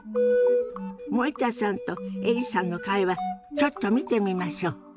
森田さんとエリさんの会話ちょっと見てみましょ。